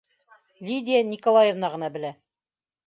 Лидия Николаевна ғына белә.